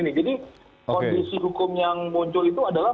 jadi kondisi hukum yang muncul itu adalah